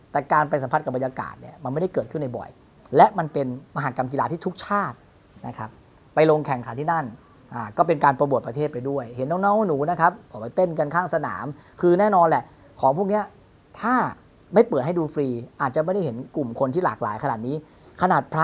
แต่การไปสัมผัสกับบรรยากาศเนี่ยมันไม่ได้เกิดขึ้นบ่อยและมันเป็นมหากรรมกีฬาที่ทุกชาตินะครับไปลงแข่งขันที่นั่นก็เป็นการโปรโมทประเทศไปด้วยเห็นน้องหนูนะครับออกไปเต้นกันข้างสนามคือแน่นอนแหละของพวกนี้ถ้าไม่เปิดให้ดูฟรีอาจจะไม่ได้เห็นกลุ่มคนที่หลากหลายขนาดนี้ขนาดพระ